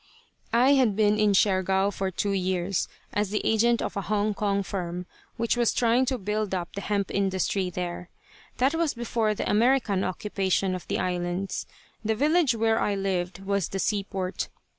I had been in Siargao for two years, as the agent of a Hong Kong firm which was trying to build up the hemp industry there. That was before the American occupation of the islands. The village where I lived was the seaport.